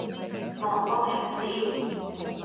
忙過平時？